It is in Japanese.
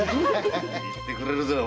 言ってくれるぜおぶん。